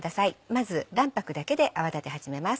まず卵白だけで泡立て始めます。